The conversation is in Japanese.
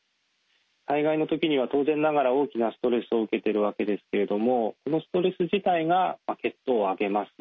災害の時には当然ながら大きなストレスを受けているわけですけれどもそのストレス自体が血糖を上げます。